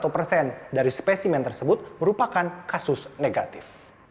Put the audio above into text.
delapan puluh enam satu persen dari spesimen tersebut merupakan kasus negatif